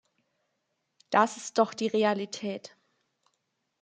Das ist doch die Realität.